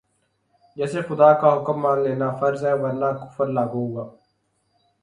جیسے خدا کا حکم مان لینا فرض ہے ورنہ کفر لاگو ہوا